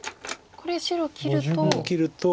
これ白切ると。